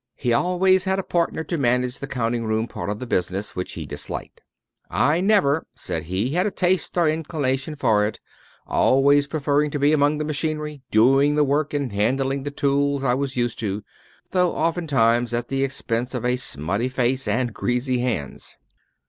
He always had a partner to manage the counting room part of the business, which he disliked. "I never," said he, "had taste or inclination for it, always preferring to be among the machinery, doing the work and handling the tools I was used to, though oftentimes at the expense of a smutty face and greasy hands."